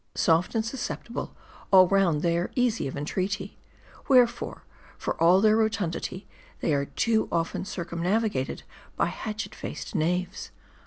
Soft and susceptible, all round they are easy of entreaty. Wherefore, for all their rotundity, they are too often circum navigated by hatchet faced knaves.